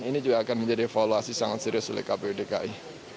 ini juga akan menjadi evaluasi sangat serius oleh kpu dki